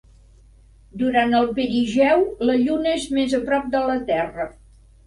Durant el perigeu, la Lluna és més a prop de la Terra.